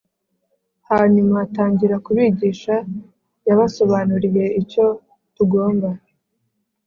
hanyuma atangira kubigisha Yabasobanuriye icyo tugomba